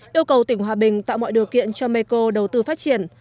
yêu cầu tỉnh hòa bình tạo mọi điều kiện cho meko đầu tư phát triển